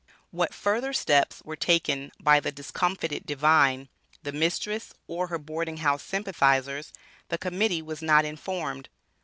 What further steps were taken by the discomfited divine, the mistress, or her boarding house sympathizers, the Committee was not informed.